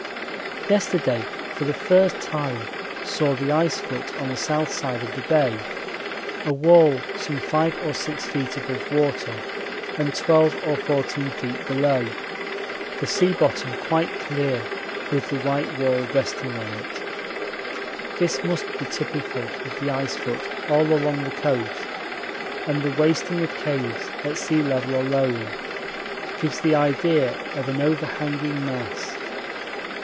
Yesterday for the first time saw the ice foot on the south side of the bay, a wall some 5 or 6 ft. above water and 12 or 14 ft. below; the sea bottom quite clear with the white wall resting on it. This must be typical of the ice foot all along the coast, and the wasting of caves at sea level alone gives the idea of an overhanging mass.